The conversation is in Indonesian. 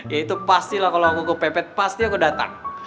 ya itu pastilah kalau aku kepepet pasti aku datang